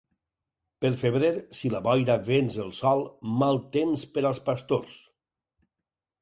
Pel febrer, si la boira venç el sol, mal temps per als pastors.